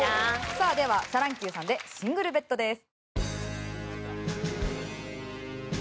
さあではシャ乱Ｑさんで『シングルベッド』です。